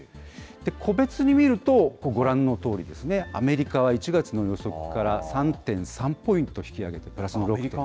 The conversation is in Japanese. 個別に見ると、ご覧のとおりですね、アメリカは１月の予測から、３．３ポイント引き上げてプラスの６．８％。